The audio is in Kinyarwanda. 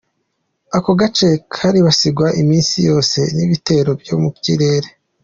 Ako gace karibasigwa iminsi yose n'ibitero vyo mu kirere.